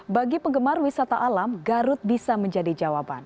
bagi penggemar wisata alam garut bisa menjadi jawaban